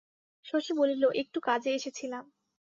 শশী বলিল, একটু কাজে এসেছিলাম।